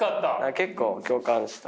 結構共感した。